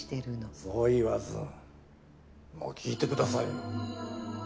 そう言わずまあ聞いてくださいよ。